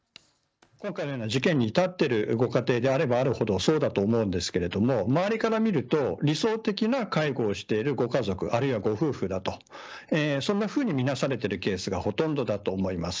今回のような事件に至っているご家庭であればあるほどそうですが周りから見ると理想的な介護をしている家族、あるいはご夫婦、そんなふうに見なされているケースがほとんどだと思います。